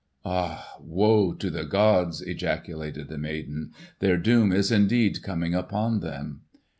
"Ah, woe to the gods!" ejaculated the maiden. "Their doom is indeed coming upon them!